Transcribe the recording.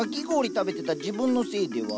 食べてた自分のせいでは。